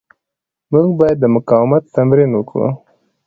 موږ باید د مقاومت تمرین وکړو.